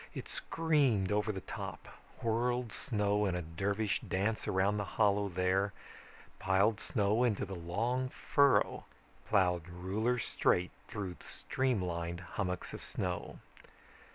It screamed over the top, whirled snow in a dervish dance around the hollow there, piled snow into the long furrow plowed ruler straight through streamlined hummocks of snow.